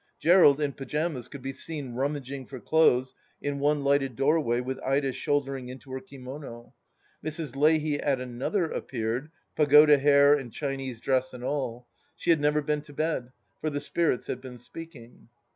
Gerald, in pyjamas, could be seen rummaging for clothes in one lighted doorway with Ida shouldering into her kimono; Mrs. Leahy at another ap peared, pagoda hair and Chinese dress and all : she had never been to bed, for the spirits had been speaking.